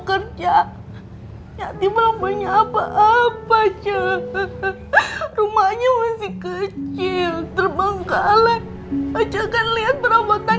kerja aktif banyak apa apa termanya west kecil terbangkalah urogan lihat perempuan